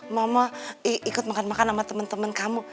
mama ikut makan makan sama teman teman kamu